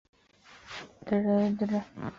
自此第三股势力登场。